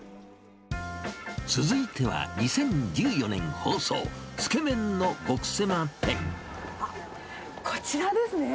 続いては、２０１４年放送、あっ、こちらですね。